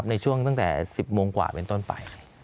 ในช่วงตั้งแต่๑๐โมงกว่าเป็นต้นไป